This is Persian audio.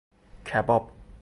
کباب